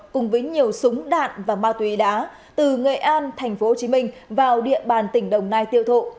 cùng với nhiều súng đạn và ma túy đá từ nghệ an tp hcm vào địa bàn tỉnh đồng nai tiêu thụ